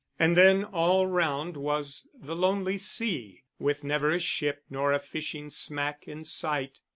And then all round was the lonely sea, with never a ship nor a fishing smack in sight.